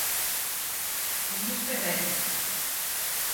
Luís Ferrero.